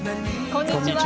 こんにちは。